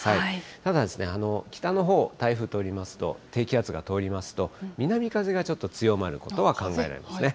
ただ、北のほう、台風通りますと、低気圧が通りますと、南風がちょっと強まることは考えられますね。